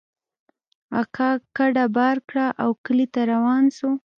اکا کډه بار کړه او کلي ته روان سو.